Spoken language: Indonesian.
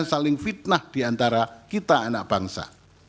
saling fitnah di antara kita anak bangsa